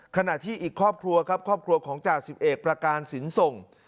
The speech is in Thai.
ขณะที่อีกครอบครัวครับครอบครัวของจ่าสิบเอกประการสินส่ง